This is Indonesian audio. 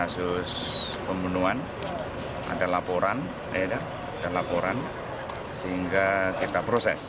ada kasus pembunuhan ada laporan sehingga kita proses